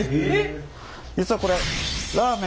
実はこれラーメン